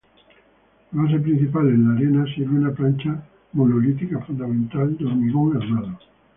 De base principal de la arena sirve una plancha monolítica fundamental de hormigón armado.